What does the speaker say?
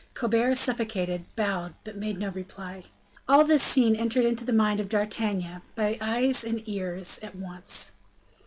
Colbert, suffocated, bowed but made no reply. All this scene entered into the mind of D'Artagnan, by the eyes and ears, at once.